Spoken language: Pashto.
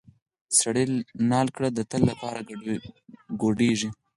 سړی نال کړې د تل لپاره ګوډیږي.